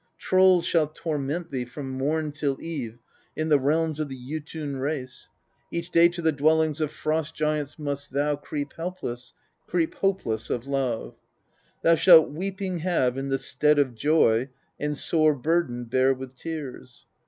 29. Trolls shall torment thee from morn till eve in the realms of the Jotun race, each day to the dwellings of Frost giants must thou creep helpless, creep hopeless of love ; thou shalt weeping have in the stead of joy, and sore burden bear with tears.